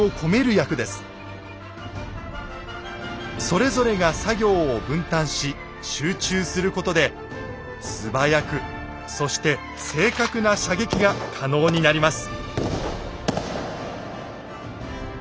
それぞれが作業を分担し集中することで素早くそして正確な射撃が可能になります。